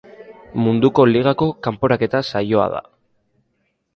Munduko Ligako kanporaketa saioa da.